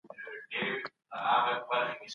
زه هیڅکله خپلي دندې نه هېروم.